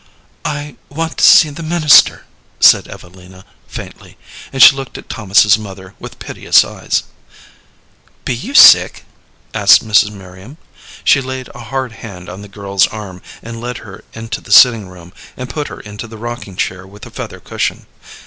"I want to see the minister," said Evelina, faintly, and she looked at Thomas's mother with piteous eyes. "Be you sick?" asked Mrs. Merriam. She laid a hard hand on the girl's arm, and led her into the sitting room, and put her into the rocking chair with the feather cushion.